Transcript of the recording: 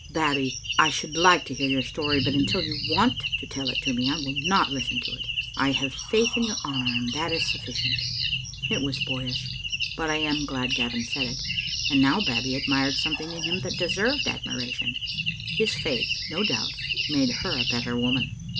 " Bab bie, I should like to hear your story, but until you want to tell it to me I will not listen to it. I have faith in your honour, and that is sufficient." It was boyish, but I am glad Gavin said it ; and now Babbie admired something in him that deserved ad miration. His faith, no doubt, made her a better woman.